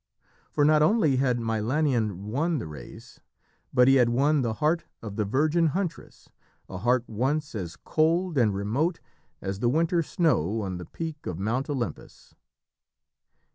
For not only had Milanion won the race, but he had won the heart of the virgin huntress, a heart once as cold and remote as the winter snow on the peak of Mount Olympus.